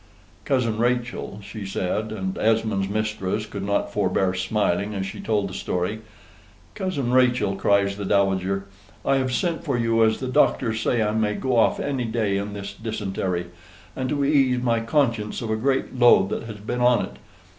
"Cousin Rachel," she said, and Esmond's mistress could not forbear smiling as she told the story "Cousin Rachel," cries the Dowager, "I have sent for you, as the doctors say I may go off any day in this dysentery; and to ease my conscience of a great load that has been on it.